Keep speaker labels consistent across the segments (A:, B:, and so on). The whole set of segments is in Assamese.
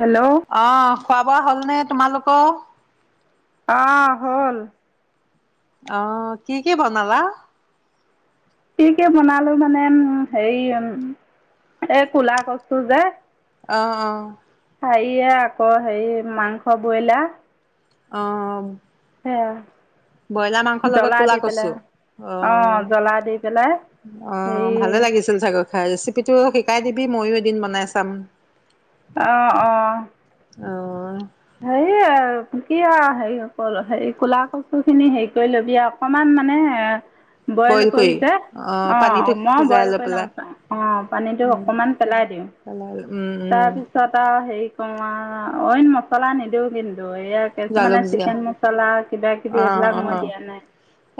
A: হেল্ল'
B: অ', খোৱা বোৱা হল নে তোমালোক? ক?
A: আহ হ'ল।
B: আহ, কি-কি বনালা?
A: কি-কি বনালো মানে হেৰি উ, এ কলা কচু যে
B: অ-অ,
A: হেৰি আকৌ হেৰি মাংস বইলা।
B: অ',
A: অ',
B: ব্ৰইলাৰ মাংসৰ লগত কলা কচু
A: অ জ্বলা দি পেলাই
B: অ-অ
A: হেৰি
B: ভালে লাগিছিল চাগৈ। ৰেচিপিটো শিকাই দিবি ময়ো এদিন বনাই চাম।
A: অ-অ,
B: অ',
A: সেইয়া কি হেৰি কৰ হে ক'লা কচু খিনি হেৰি কৰি ল'বি অকমান মানে- বইল কৰি যে,
B: পানীটো
A: অ', মই
B: সিজাই
A: বইল
B: লৈ
A: কৰি লওঁ
B: পেলাই।
A: অ', পানীটো
B: উম,
A: অকণমান পেলাই দিওঁ
B: পেলাই উম
A: তাৰ
B: উম
A: পিছত আৰু হেৰি তোমাৰ অইন মছ ছলা নিদিওঁ কিন্ দৈ আদি কিছুমানে
B: জালুক জীয়া
A: চিকেন মছলা কিবা-কিবি এইবিলাক
B: অ'
A: মই
B: অ'।
A: দিয়া নাই।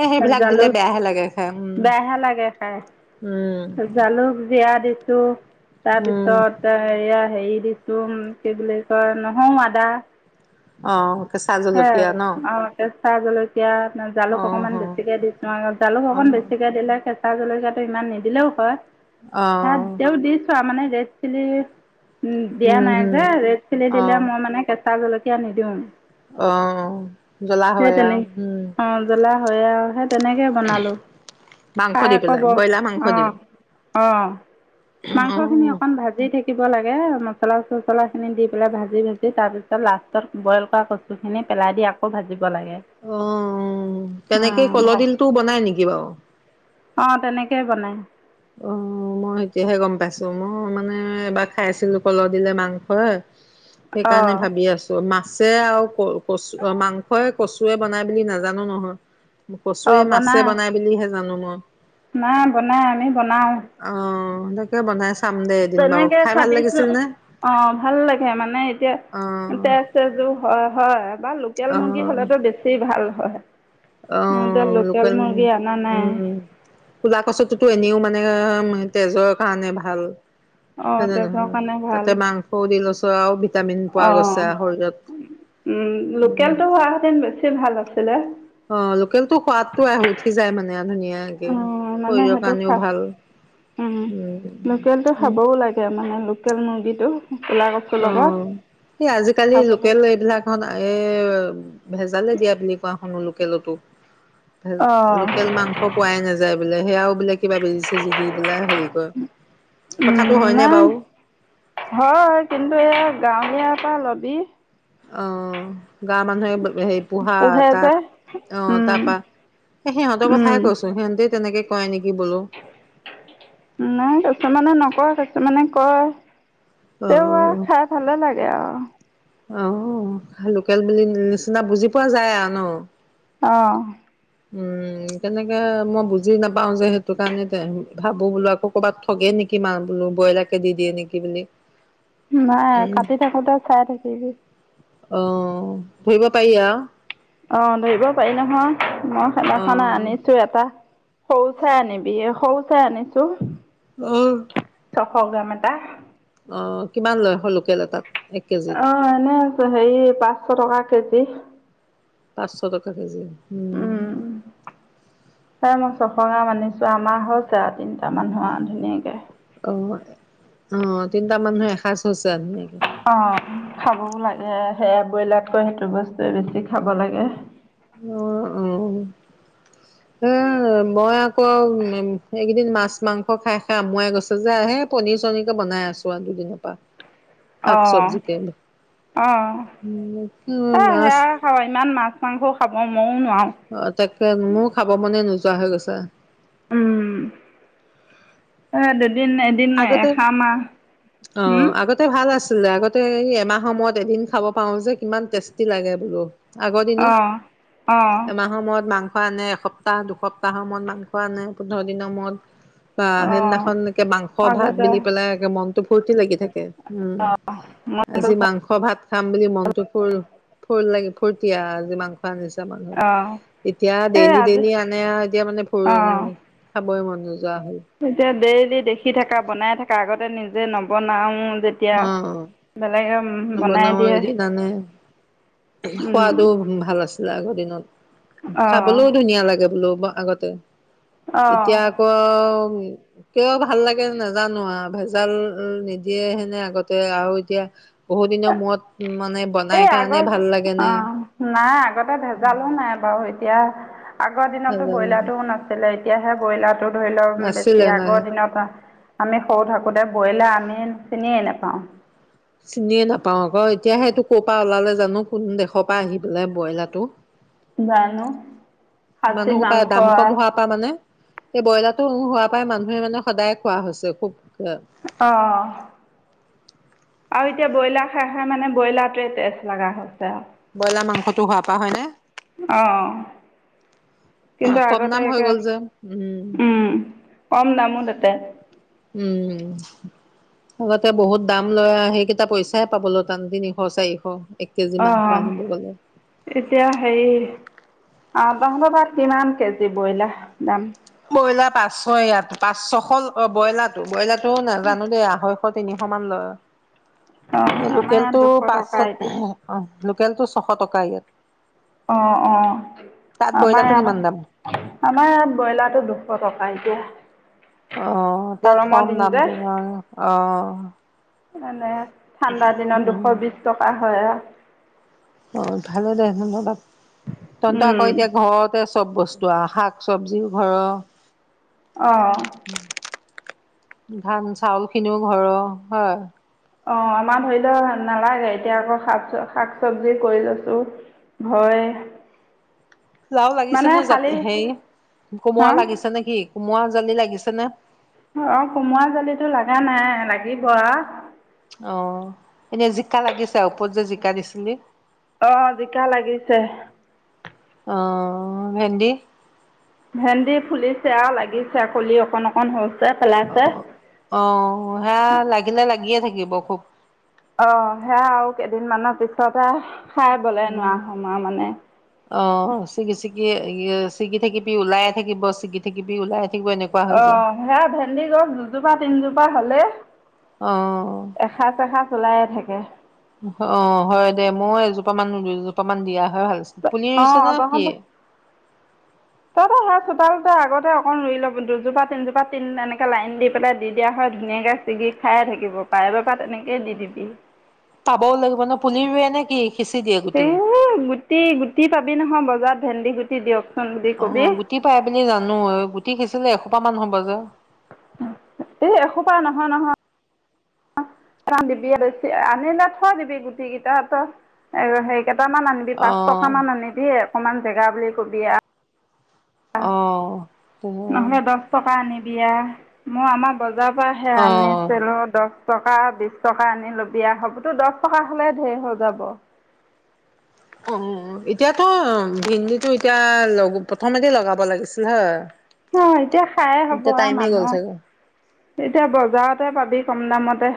B: এ সেইবিলাক দিলে
A: জালুক
B: বেয়াহে লাগে খাই উম।
A: বেয়াহে লাগে খাই।
B: উম
A: জালুক জিৰা দি অ',
B: উম
A: তাৰপিছত এয়া হেৰি দিছো কি বুলি কয় নহয় আদা,
B: অ', কেঁচা জলকীয়া
A: সেয়াই
B: ন।
A: আৰু কেঁচা জলকীয়া, জালুক
B: অ'
A: অকনমান
B: অ'।
A: বেছিকে দিছো জালুক অকন
B: অ'
A: বেছিকে দিলে, কে কা জলকীয়া টো ইমান নিদিলেও হয়। হা,
B: অ',
A: তেওঁ দিছোৱা মানে। ৰেডচিলি দিয়া
B: উম,
A: নাই
B: হম।
A: যে, ৰেড চিলি দিলে মই মানে কেঁচা জলকীয়া তেতিয়া নিদিওঁ
B: আহ জ্বলা
A: সেই
B: হয় আহ
A: তেনে
B: উম
A: অ জ্বলা হয় আও হে তেনেকৈ বনালোঁ
B: মাংস
A: খাই
B: দি
A: আকৌ
B: পেলাই
A: বৰ
B: ব্ৰইলাৰ মাংস
A: অ
B: দি
A: অ মাংস খিনি
B: অ',
A: অকমান ভাজি দি থাকিব লাগে মছলা চছলাখিনি দি পেলাই ভাজি ভাজি তাৰপিছত লাষ্টত বইল কৰা ক পানী খিনি পেলাই দি আকৌ ভাজি
B: অ
A: অ
B: তেনেকে
A: ভাল
B: কলদিলটো বনাই নেকি বাৰু
A: অ তেনেকেই বনাই
B: অ মই এতিয়াহে গম পাইছো মই মানে এবাৰ খাই আছিলো কলহ দিলে মাংস
A: অ
B: সেইকাৰণে ভাবি আছো মাক আছে আৰু ক কচু মাংসই কচুৱে বনাই বুলি নাজানো নহয় কচুৱে মাছে বনাই বুলিহে জানো মই অ
A: নাই বনাম
B: অ তহঁতে কিয় বনাইছ
A: তেনেকে খাবিছো অ ভাল লাগে মানে এতিয়া
B: অ',
A: তেজ তেজো হয় হয় বা লোকেল মুৰ্গী
B: অ',
A: হ'লেতটো বেছি ভাল হয় হয়
B: অ লোকেল
A: নাই
B: উম কোলা কচুতো এনেও মানে এনে তেজৰ কাৰণে ভাল
A: অঁ
B: হয় নে
A: তেজৰ
B: নহয় তাতে মাংস দি লৈছ [unintelligible]
A: অ উ
B: উম,
A: লোকেলতটো হোৱা হেতেন বেছি বেছি ভাল আছিলে
B: অ লোকেল তো সোৱাদ টো উঠি যায় মানে ধুনীয়াকে।
A: উ মানে
B: শৰীৰৰ
A: সেইটো
B: কাৰণেও
A: খা
B: ভাল।
A: উম লোকেল টো
B: উম,
A: খাবও লাগে মানে লোকেল মুৰ্গীটো ক'লা কচুৰ
B: অ
A: লগত
B: সেই আজিকালি
A: খাব লাগে
B: লোকেল এইবিলাক এ ভেজালে দিয়া বুলি কোৱা শুনো লো লোকেলতো
A: অঁ
B: লোকেল মাংস পোৱাই নাযায় বোলে সেয়াও বোলে কিবা বেজিছে যদি বোলে
A: উম নাই
B: বাৰু?
A: হয় কিন্তু এয়া গাঁৱলীয়া পৰা লবি
B: আহ গাৱ মানুহে হে পোহা
A: পোহে
B: তাত
A: যে
B: অ
A: উম
B: তাৰ পৰা স সিহঁতৰ
A: উম
B: কথাইে কৈছো সিহঁতে তেনেকেয কয় নেকি বোলো
A: নাই কিছুমানে মানে নকৰে কিছুমানে কয়
B: অ।
A: তো খাই ভাললে লাগে আৰু
B: আহ লোকেল বুলি নিচিনা বুজি পোৱা যায় আৰু ন
A: অঁ
B: উম কেনেকে মই বুজি নাপাও যে সেইটো কাৰণে ভাবো বোলো আকৌ ক'ৰবাত ঠগে নেকি মা বোলো ব্ৰইলাৰকে দি দিয়ে নেকি বুলি
A: নাই কাটি থাকোতে চাই থাকিবি
B: অ ধৰিব পাৰি আউ
A: অ ধৰিব পাৰি নহয় মই
B: অ।
A: খেতাখন আনিছো এটা সৰু চাই আনিবি সৰু চাই আনিছো
B: আহ
A: এশ গ্ৰাম এটা
B: অঁ কিমান লয় আহ লোকেল এটাত এক কেজিত?
A: অ এনে আছ হেৰি পাঁচশ টকা কেজি
B: পাঁচশ টকা কেজি
A: উম তাই মই ছশ গ্ৰাম মান আনিছো আমাৰ হৈছে তিনিটা টা মানুহোৱা ধুনীয়াকৈ
B: অ অ তিনটা মানুহ এসাঁজ হৈছে এ
A: অ খাবও লাগে সেয়া ব্ৰইলাতকৈ সেইটো বস্তুৱে বেছি খাব লাগে।
B: অ উ হ মই আকৌ এইকেইদিন মাছ মাংস খাই খাই আমুৱাই গৈছে যে সেই পনীৰ চনীৰকে বনাই আছো আৰু দুদিনৰ পৰা
A: অ
B: শাক চবজিকে
A: অ স
B: মাছ
A: সেয়া খাব ইমান মাছ মাংসও খাব ক মও
B: অ তাকে মোৰ খাব মনে গৈছে চোৱা হৈ গৈছা
A: উম সে এদিন এদিন
B: আগতে
A: এসাঁ মাহ হম
B: ছিলে আগতে এই এমাহৰ মূৰত এদিন খাব পাৰো যে কিমান টেষ্টি লাগে বোলো। আগৰ দিনত
A: অঁ অঁ
B: এমাহৰ মূৰত মাংস। মাংস আনে এসপ্তাহ দুসপ্তাহৰ মূৰত মাংস আনে পোন্ধৰ দিনৰ মূৰত। বা
A: অঁ
B: সেইদিনাখনকে মাং। অ 'ভাত
A: আগতে
B: মিলি পেলাই এক মনটো ভূৰ্তি লাগি থাকে। উম,
A: অঁ মনটো
B: আজি
A: ভাল
B: মাংস ভাত খাম বুলি মনটো ফুৰ ফুল লাগে ফুৰ্তিয়াও আজি মাং
A: অঁ
B: এতিয়া
A: এই
B: ডেইলি
A: আজি
B: ডেইলি আনে আৰু এতিয়া মানে ফু
A: অঁ
B: খাবই মন নোযোৱা হ'ল
A: এতিয়া দে দেখি থকা বনাই থকা আগতে তে নিজে নবনাও
B: অ'
A: বনাই
B: বনাও
A: দিয়ে
B: এদিন আনে সোৱাদো ভাল আছে। আগৰ দিনত
A: অঁ
B: খাবলৈও ধুনীয়া লাগে বোলোও বা আগতে এতিয়া
A: অ',
B: আকৌ কিয় ভাল লাগে নাজানো আৰু ভেজাল নিদিয়ে হে' নে আগতে আৰু এতিয়া। মূৰত মানে বনাই
A: এই
B: কাৰণে
A: আগৰ
B: ভাল লাগে নে
A: অ' নাই আগতে ভেজালো নাই বাৰু। এতিয়া আগৰ দিনতো
B: ভেজাল
A: ব্ৰইলাৰ টোও নাছিলে। তেতিয়াহে ব্ৰইলাৰটোত ধৰি লওক
B: নাছিলে
A: বেছি
B: নাই
A: আগৰ দিনত ন। আমি সৰু থাকোঁতে ব্ৰইলাৰ আমি চিনিয়েই নেপাওঁ।
B: চিনিয়ে নাপাও আকৌ এতিয়া সেইটো ক'ৰ পৰা ওলালে জানো কোন দেশৰ পৰা আহি পেলাই ব্ৰইলাৰটো।
A: জানো খাচী
B: মানুসোপাই পৰা
A: মাংস
B: দাম কম হোৱাৰ পৰা মানে এই ব্ৰইলাৰটোৰ হোৱা পৰাাই মানুহে মানে সদায় খোৱা হৈছে খুব।
A: অ' আৰু এতিয়া ব্ৰইলাৰ খাই খাই মানে ব্ৰইলাৰটোৱে টেষ্ট লগা হ'ল।
B: ব্ৰইলাৰ মাংসটো হোৱা পা হয়নে।
A: অ', কিন্তু
B: কম
A: আগতে
B: দাম হৈ
A: একে
B: গ'ল যে
A: উম কম দামো তাতে।
B: উম আগতে বহুত দাম লয় সেইকেইটা পইচাহে পাব লগ তিনিশ চাৰিশ এক কেজি মাংস
A: অ',
B: আনিব গ'লে।
A: এতিয়া সেই অ', তহনতৰতাত কিমান কেজি বইলাৰ দাম?
B: ব্ৰইলাৰ পাঁচশ ইয়াত পাঁচ ছশ ব্ৰইলাৰো- ব্ৰইলাৰ নাজানো দেই আঢ়ৈশ তিনিশ মান
A: অ
B: লয়?
A: আমাৰ ইয়াত
B: লোকেলটো
A: দুশ টকা
B: পাঁচশত
A: এতিয়া।
B: হ ', অহ', লোকেলটো ছশ টকা ইয়াত।
A: অ', - অ
B: তাত
A: ', আমাৰ
B: ব্ৰইলাৰটো
A: ইয়াত
B: কিমান
A: আহ
B: দাম
A: ', আমাৰ ইয়াত ব্ৰইলাৰটো দুশ টকা এতিয়া।
B: অহ ', তাত
A: গৰমৰ
B: কম
A: দিন
B: দাম
A: যে
B: তো কাৰনে অহ ',
A: মানে? ঠাণ্ডাৰ দিনত দুশ বিশ টকা হয় আৰু
B: অ', ভালে দে ধন্যবাদ। তন্ত আকৌ
A: উম
B: এতিয়া ঘৰতে আছ চব বস্তু আহ', শাক চবজিও ঘৰৰ।
A: অহ ',
B: ধান চাউল খিনিও ঘৰ হয়।
A: অ ', আমাৰ ধৰি লও নালাগে এতিয়া আকৌ শাক চ - শাক চবজি কৰি লৈছো ঘৰৰে
B: লাও লাগিছে নে যা হেই কোমোৰ
A: হা
B: লাগিছে নে কি? কোমোৰা জালি লাগিছে নে?
A: অ', কোমৰা জালিতো লগা নাই লাগিব আৰু
B: অ', এতিয়া জিকা লাগিছে ওপৰত যে জিকা দিছিলি?
A: আহ', জিকা লাগিছে।
B: অ', ভেন্দি?
A: ভেন্দি ফুলিছে লাগিছে কলি অকন -অকন হল।
B: অ', - অ', আঁহ ', লাগিলে লাগিয়ে থাকে। গিব খুব
A: অ', সেয়া আৰু কেইদিনমানৰ পিছতে হে খাই বলে
B: উম
A: নোৱাৰ হম মানে উম ',
B: য়ে', য় ', চিগি থাকিবি ওলাই থাকিব চিগি থাকিবি ওলাই থাকিব এনেকুৱা হৈ যায়
A: অ', সেয়া ভেন্দি গছ দুজোপা তিনিজোপা পা হলে
B: অহ ',
A: চলাইে থাকে।
B: অ', হয় দে মই এজোপা মান দুজোপা মান দিয়া হয় ভাল আছিল পুলি ৰুইছে
A: অ',
B: নে কি
A: তহঁতৰ, তহঁতৰ ঘৰত চব চতালতে আগতে অকণ ৰুই লব দুজোপা তিনজোপা তিন এনেকে লাইন দি পেলাই দি দিয়া হয় ধুনীয়াকে ছিগি খায়ে থাকিব পাৰেব পৰা তেনেকেই দি দিবি।
B: পাবও লাগিব ন পুলি ৰুৱে নে কি? সিঁচি দিয়ে
A: এ
B: গুটি
A: গুটি গুটি পাবি নহয় বজাত ভেন্দি গুটি দিয়ক
B: অ গুটি পাই বুলি জানো গুটি খিছিলে এ এহোপামান হ'ব যে
A: এই এসোপা নহয় নহয় কাৰ দিবি বেছি আনিলে থোৱা দিবি গুটি কেইটাৰ সেই কেইটামান আনিবি
B: অ
A: পাঁচ টকামান আনিবি অকণমান জেগা বুলি কবি আৰু
B: অহ
A: নহলে দহ টকা আনি দিয়া মই আমাৰ বজ‌া তাপৰাহে
B: অ
A: আনিছিলো দহ টকা বিশ টকা আনি ল'বিয়া হ'বতো দহ টকা হলে ধেৰ হৈ যাব
B: অ এতিয়াতো ভেন্দিটো এতিয়া লগ প্ৰথমতে লগাব লাগিছিল হয়
A: অ এতিয়া খাইে হব
B: এতিয়া
A: আৰু
B: টাইমে গ'ল
A: মানুহ
B: চাগে
A: এতিয়া বজাৰতে পাবি কম দামতে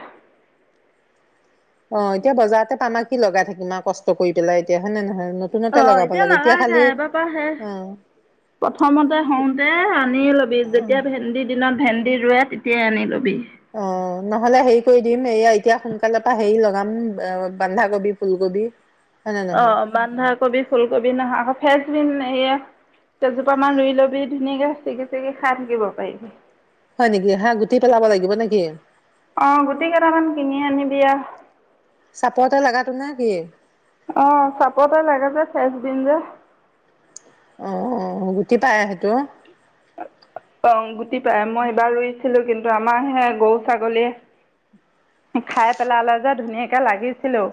B: অ এতিয়া বজাৰতে পাম কি লগাই থাকিম আৰু কষ্ট কৰি পেলাই এতিয়া হয় নে নহয় নতুনতে
A: অ
B: লগাব
A: এতিয়া
B: লাগে
A: নালাগে
B: খালি
A: এবাৰ পৰা সেই
B: অ
A: প্ৰথমতে হওঁতে আনি ল'বি যেতিয়া ভেন্দি দিনত ভেন্দি ৰুৱে তেতিয়াই আনি ল'বি
B: অ নহ'লে হেৰি কৰি দিম এয়া এতিয়া সোনকালৰ পৰা হেৰি লগাম বন্ধাকবি, ফুলকবি হয় নে
A: অ
B: নহয়
A: বন্ধাকবি, ফুলকবি নহা আকৌ ফেজ এই কেইজোপা মান ৰুই ল'বি ধুনীয়াকে চেগি চেগি খাই থাকিব পাৰিবি
B: হয় নেকি হা গুটি পেলাব লাগিব নেকি
A: আহ গোটি কেইটামান কিনি আনি বি আ
B: চাপৰতে লগাতো ন কি
A: অ চাপতে লাগে যে ফেচ বিন যে
B: আহ গুটি পাই সেইটো
A: অ গুটি পাই মই এইবাৰ ৰুইছিলো কিন্তু আমাৰ সে গৰু ছাগলী খাই পেলালে যে ধুনীয়াকে লাগিছিলো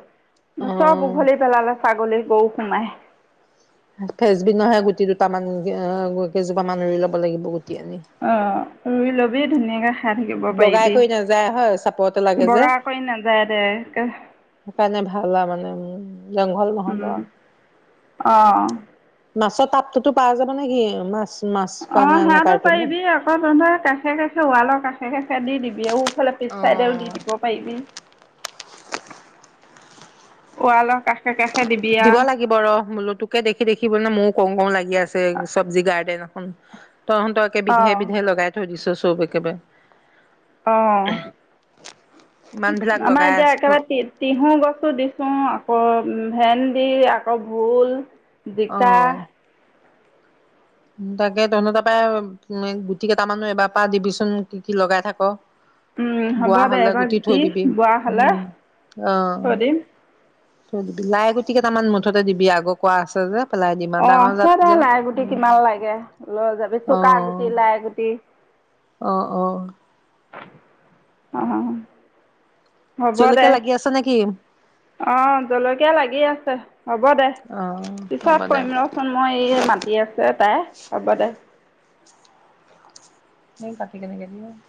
B: অ
A: চব উঘলি পেলালে ছাগলী গৰু সোমায়
B: ফেচবিন নহে গুটি দুটামান কেইজোপা মান ৰুই ল'ব লাগিব গুটি আনি।
A: অ ৰুইলবি ব ধুনীয়া
B: বগাই কৰি নাযায় হয় চাপৰতে লাগে যে
A: বগা কৰি নাযায় দে একে
B: সেইকাৰণে ভাল আৰু মানে উ জংঘল নহ'ব আও
A: অঁ
B: মাছৰ তাপটোতো প যাব নে কি মাছ মাছ
A: অ
B: কাৰণে নে
A: সেহটো
B: কাৰ্টুনৰ?
A: পাৰিবি অকৌ তহধৰ কাষে কাষে ওৱালৰ কাষে কাষে কাষে দি দিবি আও সিফালে পিছ
B: অ
A: চাইটেও দি দিব পাৰিবি ৱালৰ কাষে কাষে দিবি
B: দিব
A: আৰু
B: লাগিব ৰ বোলো তোকে দেখি দেখি বোলো মোক কও কও লাগি আছে চব্জি গাৰ্ডেন উম তহঁতকে
A: অঁ
B: বিধে বিধে লগাই থৈ দিছছোন চ'ব একেবাৰে
A: আহ
B: ইমান বিলাক
A: আমাৰ
B: লগাই
A: এতিয়া
B: আছ থ
A: একেবাৰে তি তিয়ঁহ গছো দিছো আকৌ উম ভেন্দি আকৌ ভোল জিকা
B: অ তাকে তহতৰ তাৰপাই গুটি কেইটা মানুহ এবাৰ পৰা দিবিচোন কি কি লগাই থাক
A: উম হ'ব
B: বোৱা
A: দে
B: হ'লে
A: এবাৰ গুটি
B: থৈ দিবি
A: বোৱা হলে,
B: উম অ',
A: থৈ দিম।
B: থৈ দিবি, লাই গুটি কেইটামান মুঠতে দিবি আগ কোৱা আছে যে। পেলাই দিম আৰু
A: অঁ
B: ডাঙৰ
A: আছে
B: জাত
A: দে
B: যে
A: লাই গুটি
B: উম
A: কিমান লাগে লৈ যাবি চুকা গুটি,
B: অ',
A: লাই গুটি
B: অ', অ',
A: অহ
B: জলকীয়া লাগি আছে নেকি?
A: অ জলকীয়া লাগি আছে। হ'ব দে,
B: অ', হ'ব
A: পিছত
B: দে
A: কৰিম ৰচোন মই এই মাতি আছে তাই হ'ব দে।
B: ও কাটি কেনেকে দি